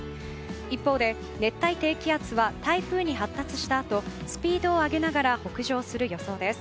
一方で熱帯低気圧は台風に発達したあとスピードを上げながら北上する予想です。